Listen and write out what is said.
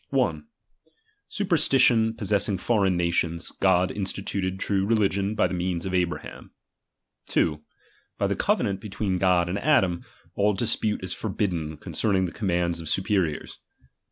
luperatition possessing foreign nations, God instituted true religion by the means of Abraham. 2. By the covenant betweea God and Adam, all dispute is forbidden concerning the com mands of superiors.